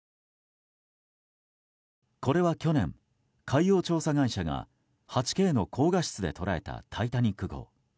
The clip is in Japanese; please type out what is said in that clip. これは去年、海洋調査会社が８Ｋの高画質で捉えた「タイタニック号」。